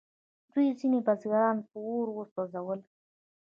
دوی ځینې بزګران په اور وسوځول.